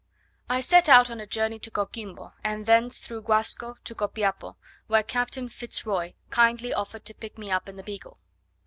I set out on a journey to Coquimbo, and thence through Guasco to Copiapo, where Captain Fitz Roy kindly offered to pick me up in the Beagle.